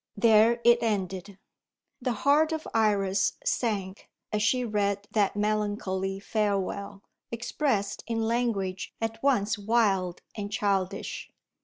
There it ended. The heart of Iris sank as she read that melancholy farewell, expressed in language at once wild and childish.